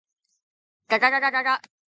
がががががが